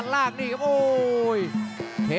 เสริมหักทิ้งลงไปครับรอบเย็นมากครับ